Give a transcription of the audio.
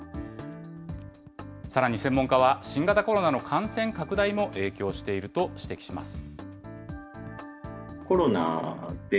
さらに専門家は、新型コロナの感染拡大も影響していると指摘します。